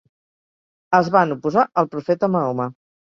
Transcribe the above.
Es van oposar al profeta Mahoma.